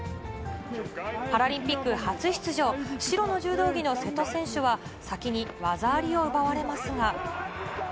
パラリンピック初出場、白の柔道着の瀬戸選手は、先に技ありを奪われますが。